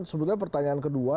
sebenarnya pertanyaan kedua